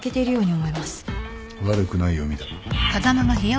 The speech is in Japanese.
悪くない読みだ。